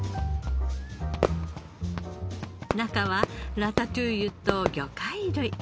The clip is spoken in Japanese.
中はラタトゥイユと魚介類。